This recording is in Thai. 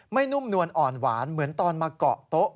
นุ่มนวลอ่อนหวานเหมือนตอนมาเกาะโต๊ะ